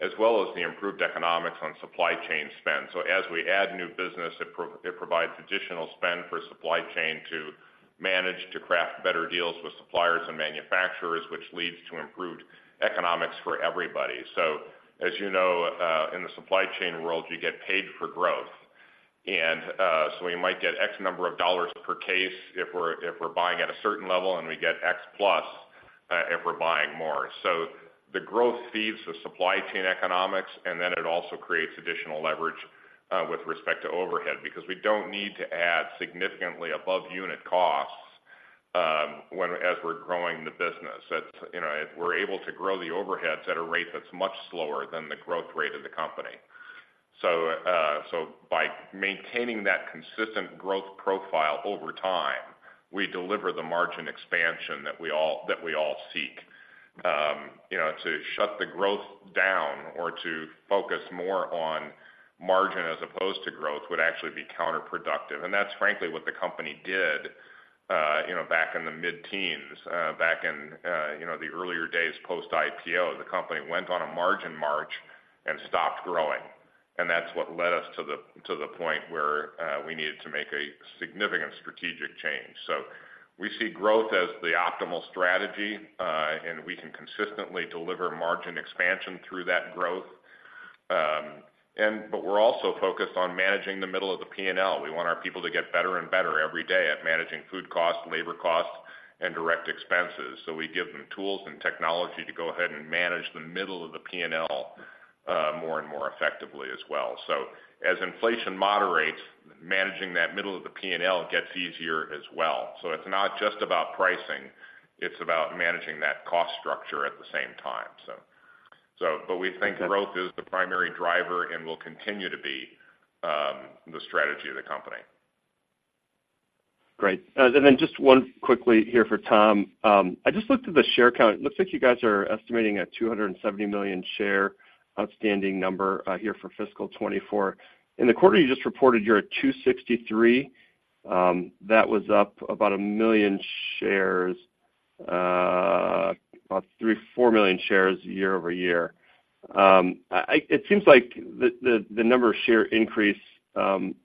as well as the improved economics on supply chain spend. So as we add new business, it provides additional spend for supply chain to manage, to craft better deals with suppliers and manufacturers, which leads to improved economics for everybody. So as you know, in the supply chain world, you get paid for growth. So we might get $X per case if we're buying at a certain level, and we get $X plus if we're buying more. So the growth feeds the supply chain economics, and then it also creates additional leverage with respect to overhead, because we don't need to add significantly above unit costs as we're growing the business. It, you know, we're able to grow the overheads at a rate that's much slower than the growth rate of the company. So, so by maintaining that consistent growth profile over time, we deliver the margin expansion that we all seek. You know, to shut the growth down or to focus more on margin as opposed to growth would actually be counterproductive. And that's frankly what the company did, you know, back in the mid-teens, back in, you know, the earlier days post IPO. The company went on a margin march and stopped growing, and that's what led us to the, to the point where, we needed to make a significant strategic change. So we see growth as the optimal strategy, and we can consistently deliver margin expansion through that growth. And but we're also focused on managing the middle of the P&L. We want our people to get better and better every day at managing food costs, labor costs, and direct expenses. So we give them tools and technology to go ahead and manage the middle of the P&L, more and more effectively as well. So as inflation moderates, managing that middle of the P&L gets easier as well. So it's not just about pricing, it's about managing that cost structure at the same time. So, but we think growth is the primary driver and will continue to be the strategy of the company. Great. And then just one quickly here for Tom. I just looked at the share count. It looks like you guys are estimating a 270 million share outstanding number here for fiscal 2024. In the quarter you just reported, you're at 263 million. That was up about 1 million shares, about 3 million-4 million shares year-over-year. It seems like the number of share increase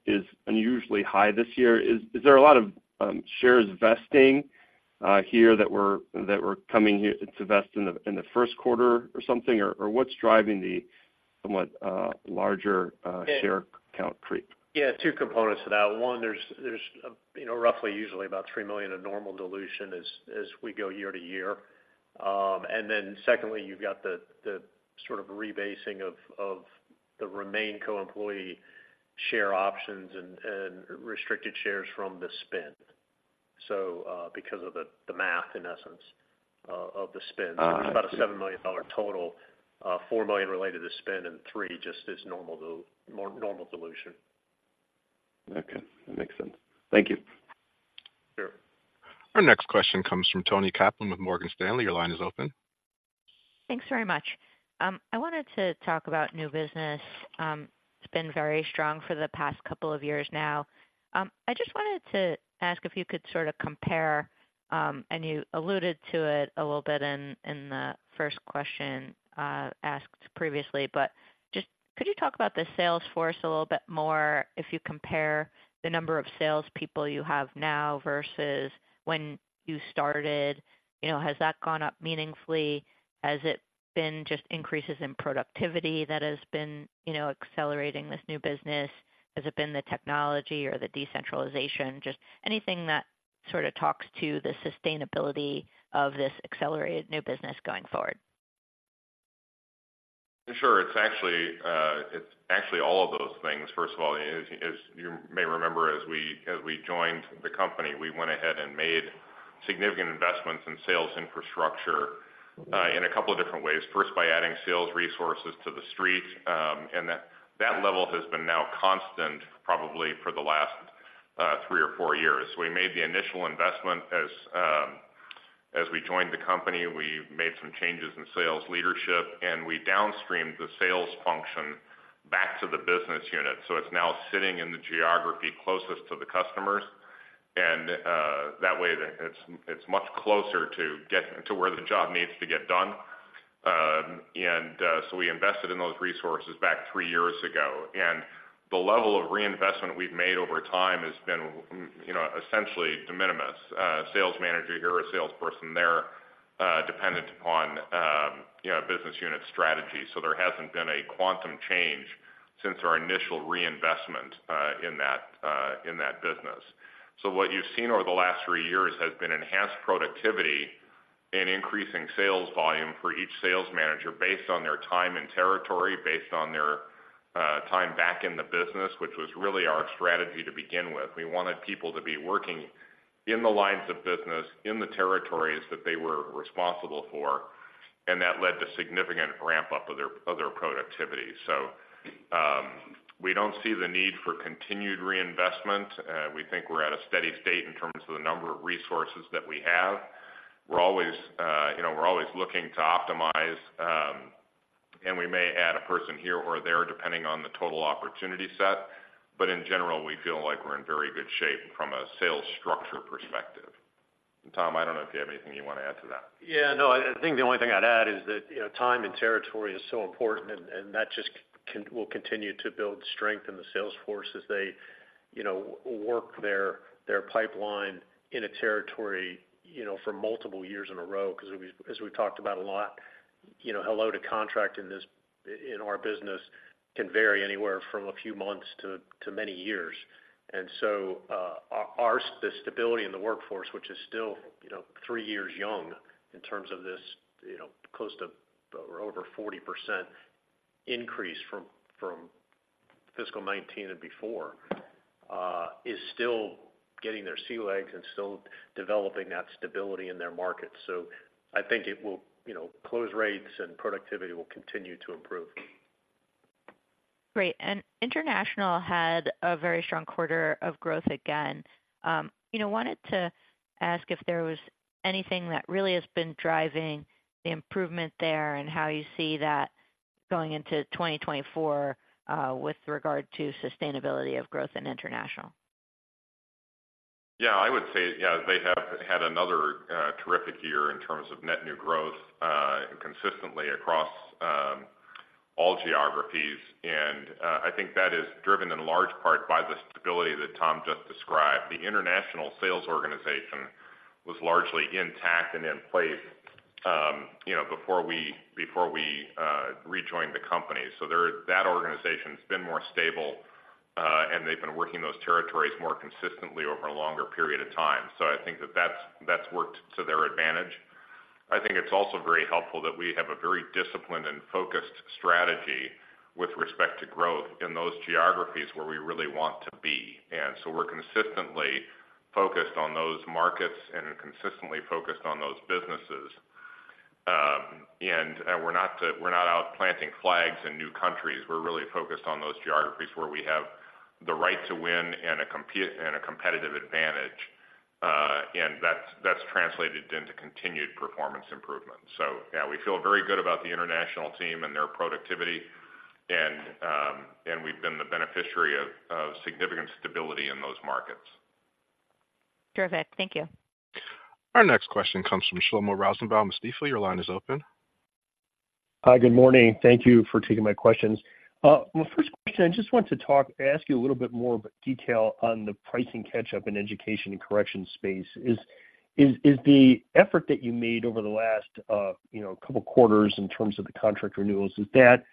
is unusually high this year. Is there a lot of shares vesting here that were coming here to vest in the Q1 or something? Or what's driving the somewhat larger share count creep? Yeah, two components to that. One, there's, there's, you know, roughly usually about 3 million of normal dilution as, as we go year to year. And then secondly, you've got the, the sort of rebasing of the RemainCo employee share options and, and restricted shares from the spin. So, because of the, the math, in essence, of the spin. Ah. About a 7 million dollar total, $4 million related to spin and 3 just as normal dilution. Okay, that makes sense. Thank you. Sure. Our next question comes from Toni Kaplan with Morgan Stanley. Your line is open. Thanks very much. I wanted to talk about new business. It's been very strong for the past couple of years now. I just wanted to ask if you could sort of compare, and you alluded to it a little bit in the first question asked previously. But just could you talk about the sales force a little bit more, if you compare the number of salespeople you have now versus when you started? You know, has that gone up meaningfully? Has it been just increases in productivity that has been, you know, accelerating this new business? Has it been the technology or the decentralization? Just anything that sort of talks to the sustainability of this accelerated new business going forward. Sure. It's actually all of those things. First of all, as you may remember, as we joined the company, we went ahead and made significant investments in sales infrastructure, in a couple of different ways. First, by adding sales resources to the street, and that level has been now constant, probably for the last, three or four years. We made the initial investment as we joined the company, we made some changes in sales leadership, and we downstreamed the sales function back to the business unit. So it's now sitting in the geography closest to the customers, and, that way, it's much closer to get to where the job needs to get done. So we invested in those resources back three years ago, and the level of reinvestment we've made over time has been, you know, essentially de minimis. Sales manager here, a salesperson there, dependent upon, you know, business unit strategy. So there hasn't been a quantum change since our initial reinvestment, in that business. So what you've seen over the last three years has been enhanced productivity and increasing sales volume for each sales manager based on their time and territory, based on their time back in the business, which was really our strategy to begin with. We wanted people to be working in the lines of business, in the territories that they were responsible for, and that led to significant ramp-up of their productivity. So, we don't see the need for continued reinvestment. We think we're at a steady state in terms of the number of resources that we have. We're always, you know, we're always looking to optimize, and we may add a person here or there, depending on the total opportunity set. But in general, we feel like we're in very good shape from a sales structure perspective. Tom, I don't know if you have anything you wanna add to that. Yeah, no, I think the only thing I'd add is that, you know, time and territory is so important, and that just will continue to build strength in the sales force as they, you know, work their pipeline in a territory, you know, for multiple years in a row. 'Cause we, as we've talked about a lot, you know, how long to contract in this, in our business can vary anywhere from a few months to many years. And so, the stability in the workforce, which is still, you know, three years young in terms of this, you know, close to or over 40% increase from fiscal 2019 and before, is still getting their sea legs and still developing that stability in their market. So I think it will, you know, close rates and productivity will continue to improve. Great. International had a very strong quarter of growth again. You know, wanted to ask if there was anything that really has been driving the improvement there and how you see that going into 2024, with regard to sustainability of growth in international? Yeah, I would say, yeah, they have had another terrific year in terms of net new growth, consistently across all geographies. And I think that is driven in large part by the stability that Tom just described. The international sales organization was largely intact and in place, you know, before we, before we rejoined the company. So that organization's been more stable, and they've been working those territories more consistently over a longer period of time. So I think that's worked to their advantage. I think it's also very helpful that we have a very disciplined and focused strategy with respect to growth in those geographies where we really want to be. And so we're consistently focused on those markets and consistently focused on those businesses. And we're not out planting flags in new countries. We're really focused on those geographies where we have the right to win and a competitive advantage, and that's translated into continued performance improvement. So yeah, we feel very good about the international team and their productivity, and we've been the beneficiary of significant stability in those markets. Terrific. Thank you. Our next question comes from Shlomo Rosenbaum of Stifel. Your line is open. Hi, good morning. Thank you for taking my questions. My first question, I just want to talk, ask you a little bit more detail on the pricing catch-up in education and correction space. Is the effort that you made over the last, you know, couple quarters in terms of the contract renewals, is that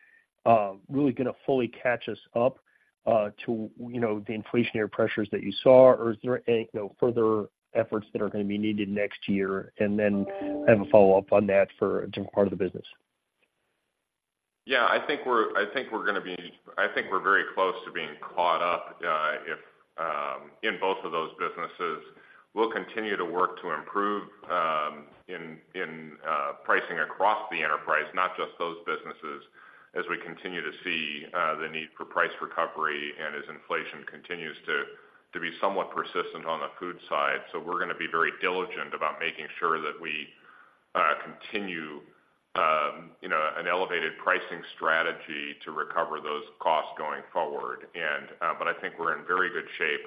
really gonna fully catch us up to, you know, the inflationary pressures that you saw? Or is there any, you know, further efforts that are gonna be needed next year? And then I have a follow-up on that for a different part of the business. Yeah, I think we're gonna be very close to being caught up, if in both of those businesses. We'll continue to work to improve in pricing across the enterprise, not just those businesses, as we continue to see the need for price recovery and as inflation continues to be somewhat persistent on the food side. So we're gonna be very diligent about making sure that we continue, you know, an elevated pricing strategy to recover those costs going forward. And but I think we're in very good shape,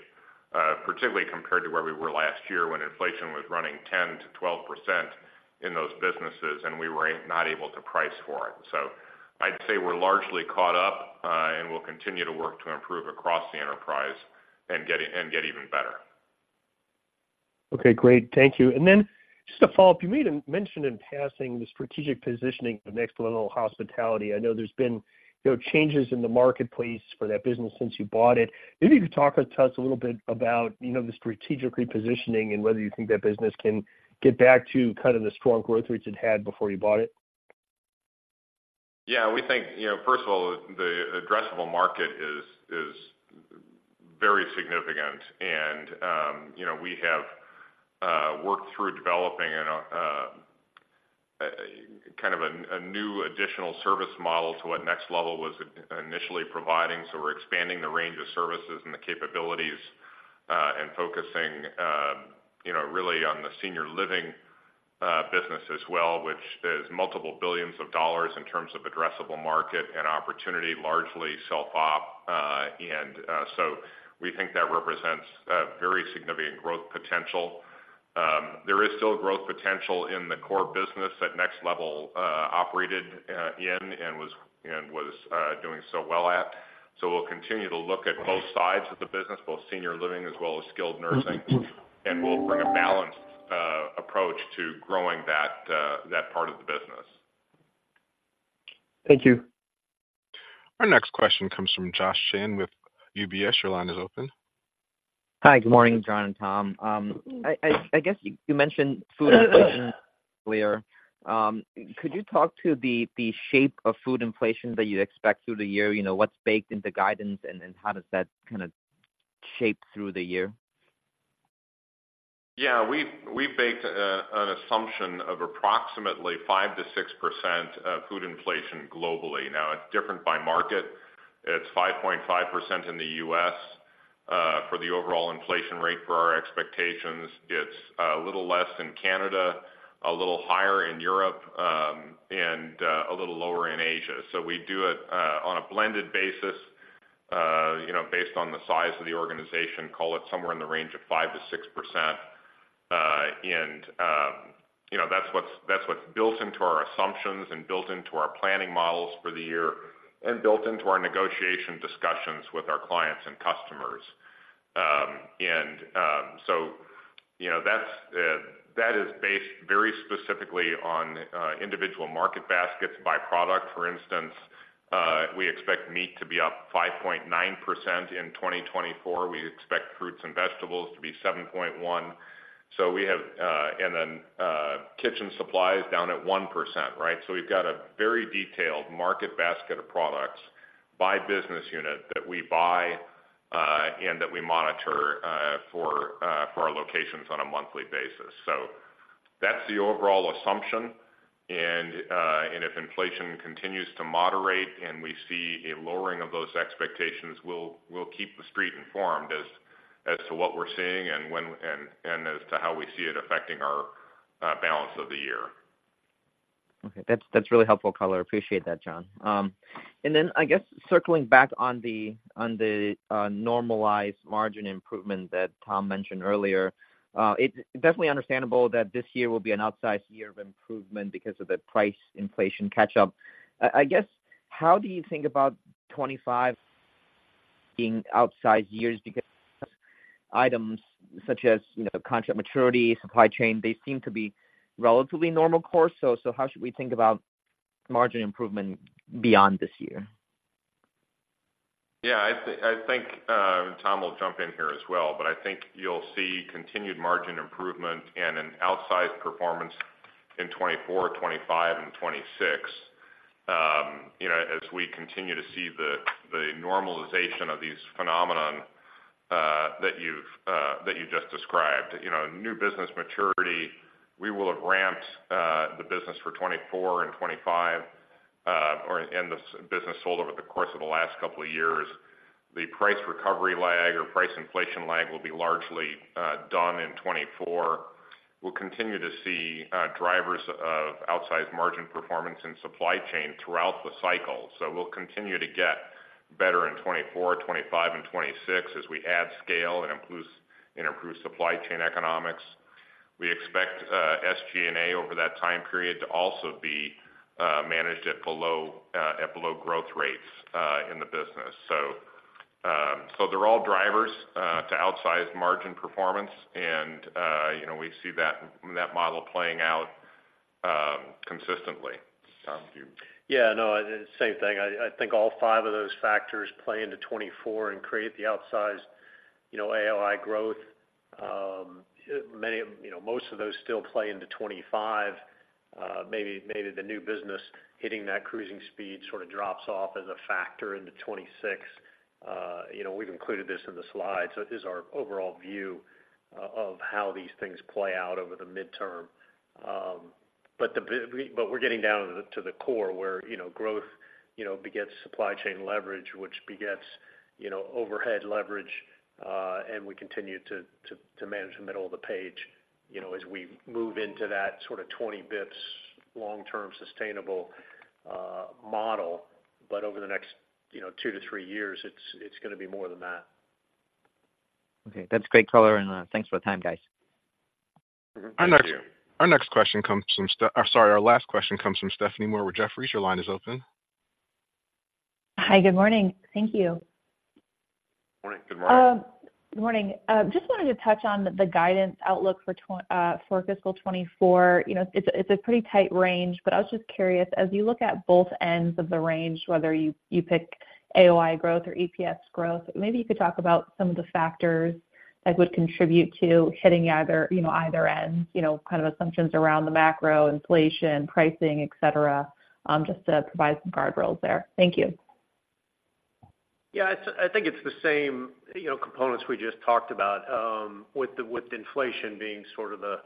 particularly compared to where we were last year when inflation was running 10%-12% in those businesses, and we were not able to price for it. I'd say we're largely caught up, and we'll continue to work to improve across the enterprise and get even better. Okay, great. Thank you. And then just to follow up, you made a mention in passing the strategic positioning of Next Level Hospitality. I know there's been, you know, changes in the marketplace for that business since you bought it. Maybe you could talk to us a little bit about, you know, the strategic repositioning and whether you think that business can get back to kind of the strong growth rates it had before you bought it? Yeah, we think, you know, first of all, the addressable market is very significant. And, you know, we have worked through developing a kind of new additional service model to what Next Level was initially providing. So we're expanding the range of services and the capabilities, and focusing, you know, really on the senior living business as well, which is multiple billions of dollars in terms of addressable market and opportunity, largely self-op. And, so we think that represents a very significant growth potential. There is still growth potential in the core business that Next Level operated in and was doing so well at. So we'll continue to look at both sides of the business, both senior living as well as skilled nursing, and we'll bring a balanced approach to growing that part of the business. Thank you. Our next question comes from Josh Chan with UBS. Your line is open. Hi, good morning, John and Tom. I guess you mentioned food inflation earlier. Could you talk to the shape of food inflation that you expect through the year? You know, what's baked into guidance, and then how does that kind of shape through the year? Yeah, we've baked an assumption of approximately 5%-6% of food inflation globally. Now, it's different by market. It's 5.5% in the U.S., for the overall inflation rate for our expectations. It's a little less in Canada, a little higher in Europe, and a little lower in Asia. So we do it on a blended basis, you know, based on the size of the organization, call it somewhere in the range of 5%-6%. And, you know, that's what's built into our assumptions and built into our planning models for the year and built into our negotiation discussions with our clients and customers. So, you know, that's that is based very specifically on individual market baskets by product. For instance, we expect meat to be up 5.9% in 2024. We expect fruits and vegetables to be 7.1%. So we have, and then, kitchen supplies down at 1%, right? So we've got a very detailed market basket of products by business unit that we buy, and that we monitor for our locations on a monthly basis. So that's the overall assumption. And if inflation continues to moderate and we see a lowering of those expectations, we'll, we'll keep the Street informed as, as to what we're seeing and when, and as to how we see it affecting our, balance of the year. Okay. That's really helpful color. Appreciate that, John. And then I guess circling back on the normalized margin improvement that Tom mentioned earlier, it's definitely understandable that this year will be an outsized year of improvement because of the price inflation catch-up. I guess, how do you think about 2025 being outsized years? Because items such as, you know, contract maturity, supply chain, they seem to be relatively normal course. So how should we think about margin improvement beyond this year? Yeah, I think, and Tom will jump in here as well, but I think you'll see continued margin improvement and an outsized performance in 2024, 2025 and 2026. You know, as we continue to see the normalization of these phenomenon that you just described. You know, new business maturity, we will have ramped the business for 2024 and 2025, and the business sold over the course of the last couple of years. The price recovery lag or price inflation lag will be largely done in 2024. We'll continue to see drivers of outsized margin performance and supply chain throughout the cycle. So we'll continue to get better in 2024, 2025 and 2026 as we add scale and improve supply chain economics. We expect SG&A over that time period to also be managed at below, at below growth rates in the business. So, so they're all drivers to outsized margin performance and, you know, we see that, that model playing out consistently. Tom, do you? Yeah, no, same thing. I think all five of those factors play into 2024 and create the outsized, you know, AOI growth. Many of, you know, most of those still play into 2025. Maybe, maybe the new business hitting that cruising speed sort of drops off as a factor into 2026. You know, we've included this in the slide. So it is our overall view of how these things play out over the midterm. But we're getting down to the, to the core where, you know, growth, you know, begets supply chain leverage, which begets, you know, overhead leverage, and we continue to manage the middle of the page, you know, as we move into that sort of 20 bps long-term sustainable model. Over the next, you know, two or three years, it's gonna be more than that. Okay, that's great color, and, thanks for the time, guys. Thank you. Our next question comes from, sorry. Our last question comes from Stephanie Moore with Jefferies. Your line is open. Hi, good morning. Thank you. Morning. Good morning. Good morning. Just wanted to touch on the guidance outlook for fiscal 2024. You know, it's a pretty tight range, but I was just curious, as you look at both ends of the range, whether you pick AOI growth or EPS growth, maybe you could talk about some of the factors that would contribute to hitting either end, you know, kind of assumptions around the macro, inflation, pricing, et cetera, just to provide some guardrails there. Thank you. Yeah, it's, I think it's the same, you know, components we just talked about, with inflation being sort of the,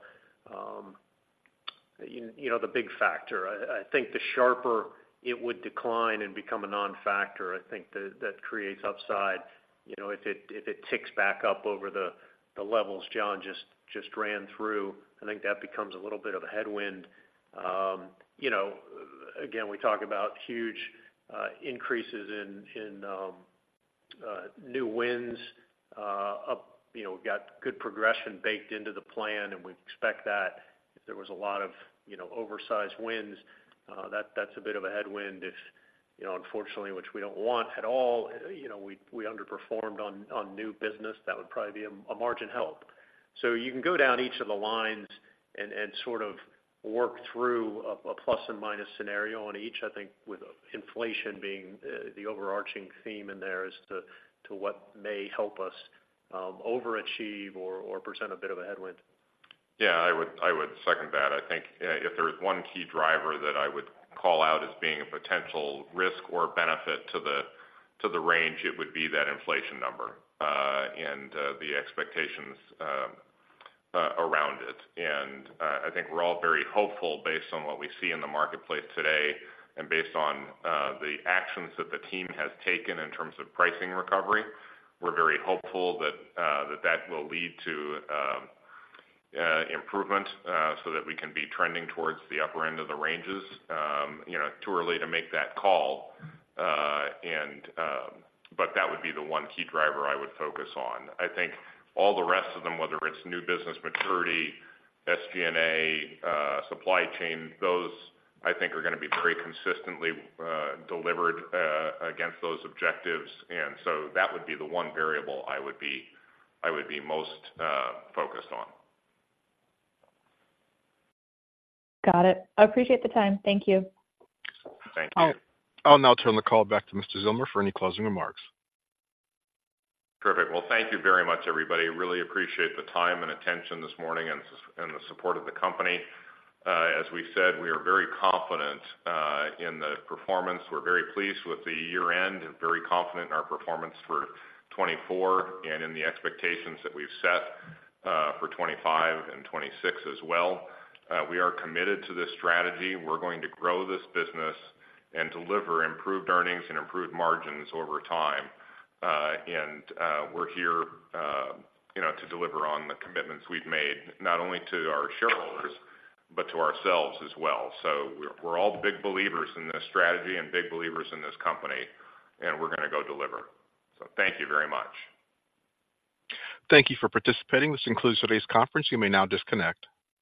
you know, the big factor. I think the sharper it would decline and become a non-factor, I think that creates upside. You know, if it ticks back up over the levels John just ran through, I think that becomes a little bit of a headwind. You know, again, we talk about huge increases in new wins. You know, we've got good progression baked into the plan, and we expect that if there was a lot of, you know, oversized wins, that's a bit of a headwind. If, you know, unfortunately, which we don't want at all, you know, we underperformed on new business, that would probably be a margin help. So you can go down each of the lines and sort of work through a plus and minus scenario on each, I think, with inflation being the overarching theme in there as to what may help us overachieve or present a bit of a headwind. Yeah, I would second that. I think, if there is one key driver that I would call out as being a potential risk or benefit to the, to the range, it would be that inflation number, and, the expectations, around it. And, I think we're all very hopeful based on what we see in the marketplace today and based on, the actions that the team has taken in terms of pricing recovery. We're very hopeful that, that, that will lead to, improvement, so that we can be trending towards the upper end of the ranges. You know, too early to make that call, and, but that would be the one key driver I would focus on. I think all the rest of them, whether it's new business maturity, SG&A, supply chain, those I think are gonna be very consistently delivered against those objectives. And so that would be the one variable I would be most focused on. Got it. I appreciate the time. Thank you. Thank you. I'll now turn the call back to Mr. Zillmer for any closing remarks. Perfect. Well, thank you very much, everybody. Really appreciate the time and attention this morning and the support of the company. As we've said, we are very confident in the performance. We're very pleased with the year-end, and very confident in our performance for 2024, and in the expectations that we've set for 2025 and 2026 as well. We are committed to this strategy. We're going to grow this business and deliver improved earnings and improved margins over time. And we're here, you know, to deliver on the commitments we've made, not only to our shareholders, but to ourselves as well. So we're all big believers in this strategy and big believers in this company, and we're gonna go deliver. So thank you very much. Thank you for participating. This concludes today's conference. You may now disconnect.